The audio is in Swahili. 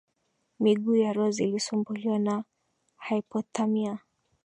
miguu ya rose ilisumbuliwa na hypothermia